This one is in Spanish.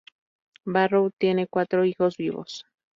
Barrow tiene cuatro hijos vivos.